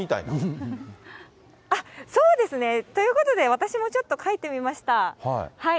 あっ、そうですね、ということで、私もちょっと書いてみました。